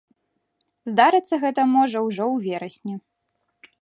Здарыцца гэта можа ўжо ў верасні.